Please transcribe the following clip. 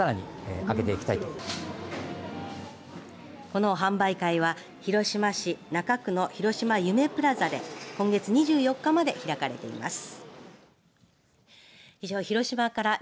この販売会は、広島市中区のひろしま夢ぷらざで今月２４日まで開かれています。